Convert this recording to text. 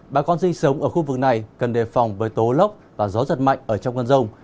bà con sinh sống ở khu vực này cần đề phòng với tố lốc và gió giật mạnh ở trong cơn rông